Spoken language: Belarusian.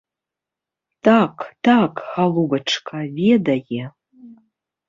Так, так, галубачка, ведае.